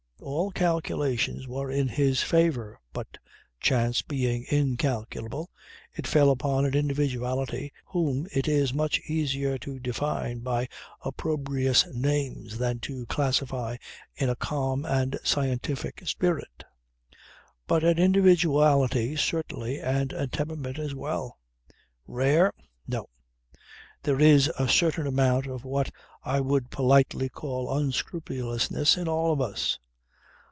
All calculations were in his favour; but, chance being incalculable, he fell upon an individuality whom it is much easier to define by opprobrious names than to classify in a calm and scientific spirit but an individuality certainly, and a temperament as well. Rare? No. There is a certain amount of what I would politely call unscrupulousness in all of us.